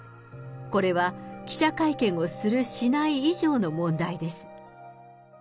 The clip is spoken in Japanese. これは記者会見をする、しない以上の問題です。